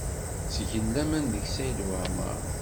Ttgen laman deg Saɛid Waɛmaṛ.